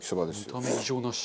見た目異常なし。